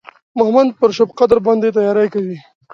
مهمند پر شبقدر باندې تیاری کوي.